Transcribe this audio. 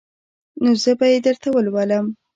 نو زه به يې درته ولولم.